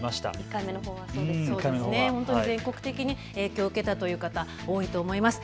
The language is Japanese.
１回目のほうは全国的に影響を受けた方、多いと思います。